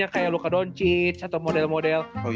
kayak luka doncic atau model model sabonis